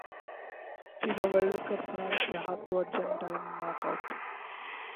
FIFA World Cup France کے ہاتھوں Argentina knock it